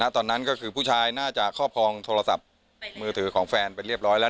ตอนนั้นก็คือผู้ชายน่าจะครอบครองโทรศัพท์มือถือของแฟนเป็นเรียบร้อยแล้ว